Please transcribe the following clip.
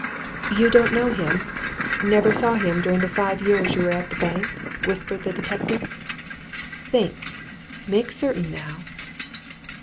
"You don't know him? never saw him during the five years you were at the bank?" whispered the detective. "Think! make certain, now."